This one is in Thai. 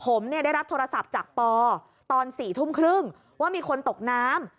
ผมได้รับโทรศัพท์จากปอตอน๔ทุ่มครึ่งว่ามีคนตกน้ำ